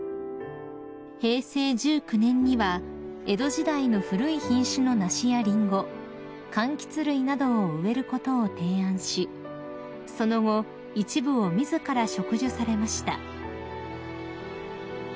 ［平成１９年には江戸時代の古い品種の梨やリンゴかんきつ類などを植えることを提案しその後一部を自ら植樹されました］